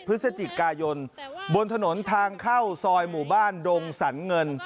พฤศจิกายนบนถนนทางเข้าซอยหมู่บ้านดงสรรเงิน